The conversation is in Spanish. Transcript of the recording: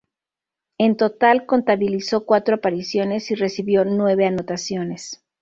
En total contabilizó cuatro apariciones y recibió nueve anotaciones.